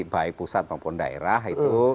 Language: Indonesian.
baik pusat maupun daerah itu